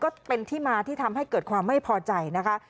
ก็เป็นที่มาที่ทำให้เกิดความไม่พอใจนะคะ